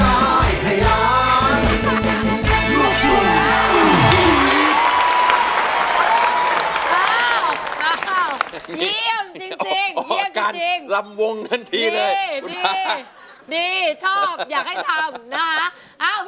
อาสยามรุมรุมรุมรุม